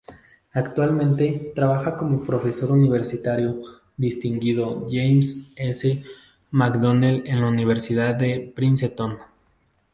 Actualmente trabaja como profesor universitario distinguido James S. McDonnell en la Universidad de Princeton.